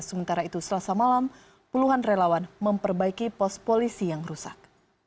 sementara itu selasa malam puluhan relawan memperbaiki pos polisi yang rusak